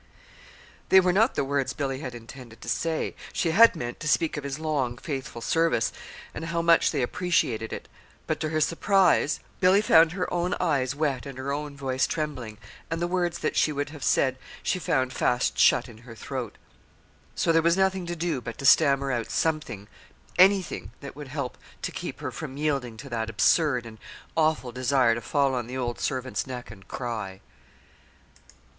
They were not the words Billy had intended to say. She had meant to speak of his long, faithful service, and of how much they appreciated it; but, to her surprise, Billy found her own eyes wet and her own voice trembling, and the words that she would have said she found fast shut in her throat. So there was nothing to do but to stammer out something anything, that would help to keep her from yielding to that absurd and awful desire to fall on the old servant's neck and cry.